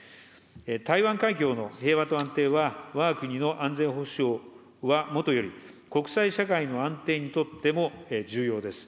台湾海峡の平和と安定は、わが国の安全保障はもとより、国際社会の安定にとっても重要です。